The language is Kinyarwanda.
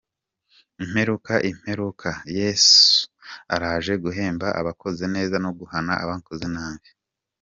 imperuka imperuka! Yesu araje guhemba abakoze neza no guhana abakoze nabi.